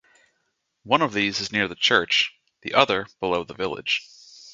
One of these is near the church; the other below the village.